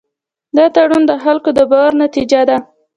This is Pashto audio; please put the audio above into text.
دا تړون د خلکو د باور نتیجه ده.